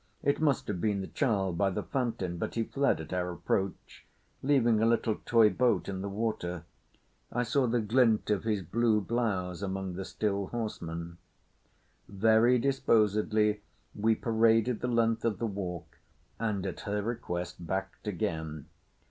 It must have been the child by the fountain, but he fled at our approach, leaving a little toy boat in the water. I saw the glint of his blue blouse among the still horsemen. Very disposedly we paraded the length of the walk and at her request backed again.